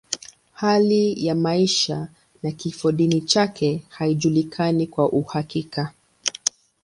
Hali ya maisha na kifodini chake haijulikani kwa uhakika.